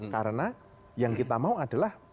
karena yang kita mau adalah